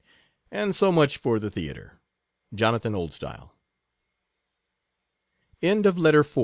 And so much for the Theatre. Jonathan Oldstyle, LETTER V.